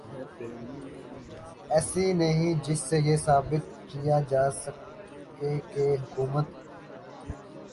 ایسی نہیں جس سے یہ ثابت کیا جا سکے کہ حکومت